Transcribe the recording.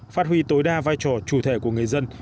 phát huy tối đa vai trò chủ thể của người dân